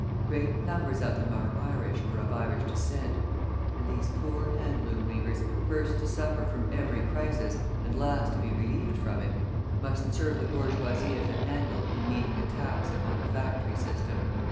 Great numbers of them are Irish or of Irish descent. And these poor hand loom weavers, first to suffer from every crisis, and last to be relieved from it, must serve the bourgeoisie as a handle in meeting attacks upon the factory system.